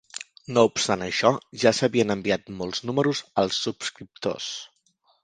No obstant això, ja s'havien enviat molts números als subscriptors.